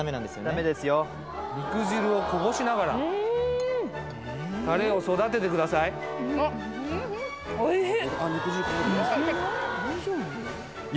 ダメですよ肉汁をこぼしながらうんタレを育ててくださいあっむせない？